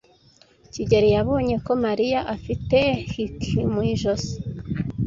kigeli yabonye ko Mariya yari afite hickie mu ijosi.